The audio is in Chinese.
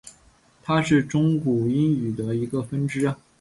它是中古英语的一个分支。